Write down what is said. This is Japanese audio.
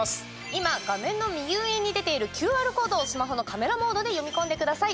今、画面の右上に出ているＱＲコードをスマホのカメラモードで読み込んでください。